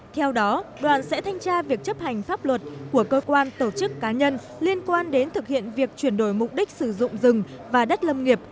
theo đó đoàn sẽ thanh tra việc chấp hành pháp luật của cơ quan tổ chức cá nhân liên quan đến thực hiện việc chuyển đổi mục đích sử dụng rừng và đất lâm nghiệp